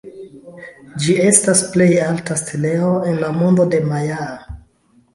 Ĝi estas plej alta steleo en la mondo majaa.